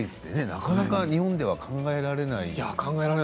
なかなか日本では考えられないことですよね。